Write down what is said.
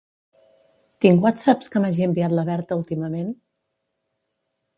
Tinc whatsapps que m'hagi enviat la Berta últimament?